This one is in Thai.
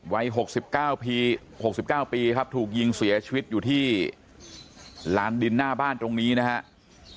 วัย๖๙ปีครับถูกยิงเสียชีวิตอยู่ที่ลานดินหน้าบ้านตรงนี้นะครับ